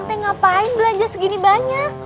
saya ngapain belanja segini banyak